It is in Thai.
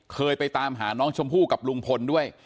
เคยไปตามหาน้องชมพู่กับลุงพลด้วย